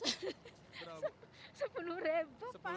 ya sepuluh ribu pak